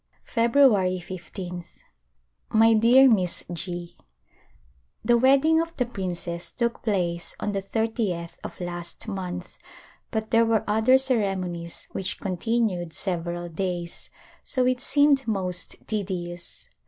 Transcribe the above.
February Ijth. My dear Miss G : The wedding of the princess took place on the thirtieth of last month but there were other ceremonies which continued several days so it seemed most tedious.